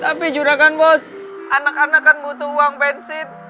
tapi juragan bos anak anak kan butuh uang pensit